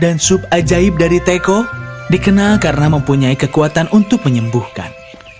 sup ajaib dari teko dikenal karena mempunyai kekuatan untuk menyembuhkan